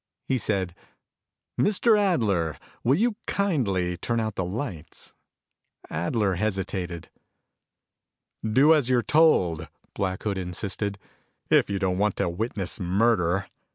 He said, "Mr. Adler, will you kindly turn out the lights." Adler hesitated. "Do as you're told," Black Hood insisted, "if you don't want to witness murder.